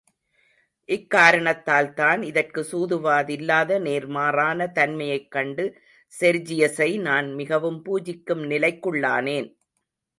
இக்காரணத்தால் தான், இதற்கு சூது வாதில்லாத நேர்மாறான தன்மையைக் கண்டு செர்ஜியசை நான் மிகவும் பூஜிக்கும் நிலக்குள்ளானேன்.